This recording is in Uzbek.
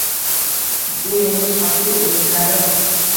Bu mening shaxsiy umidlarim